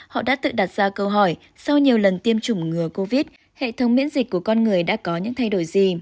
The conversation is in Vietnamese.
họ đã tự đặt ra câu hỏi sau nhiều lần tiêm chủng ngừa covid hệ thống miễn dịch của con người đã có những thay đổi gì